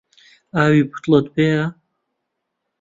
ئاوی بوتڵت پێیە؟